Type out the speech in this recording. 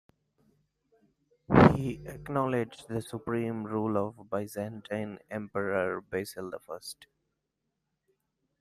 He acknowledged the supreme rule of Byzantine Emperor Basil the First.